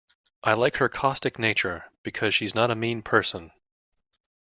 I like her caustic nature, because she's not a mean person.